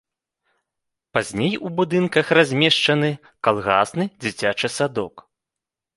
Пазней у будынках размешчаны калгасны дзіцячы садок.